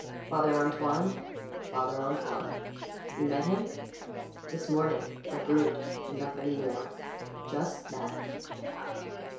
"Father Antoine?" "Father Antoine. You met him?" "This morning. A brute, and nothing more." "Just that."